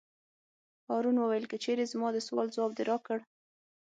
هارون وویل: که چېرې زما د سوال ځواب دې راکړ.